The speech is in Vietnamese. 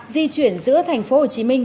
di chuyển giữa thành phố hồ chí minh